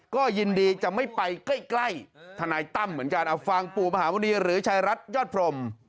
ก็ยินดีจะไม่ไปใกล้